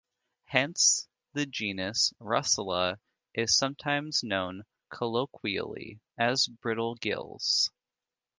Hence the genus "Russula" is sometimes known colloquially as "brittle gills".